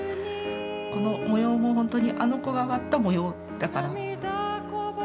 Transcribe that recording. この模様もほんとにあの子が割った模様だから。